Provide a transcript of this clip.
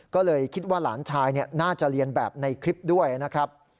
ก็เลยคิดว่าหลานชายน่าจะเรียนแบบในคลิปด้วยนะครับ